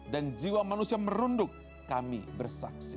dan jiwa manusia merunduk kami bersaksi